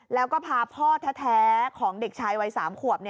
แล้วก็พาพ่อแท้ของเด็กชายวัย๓ขวบ